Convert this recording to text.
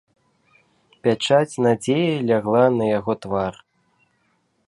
Пячаць надзеі лягла на яго твар.